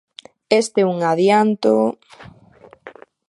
Este é un adianto...